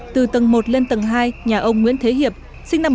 từ tầng một lên tầng hai nhà ông nguyễn thế hiệp sinh năm một nghìn chín trăm tám mươi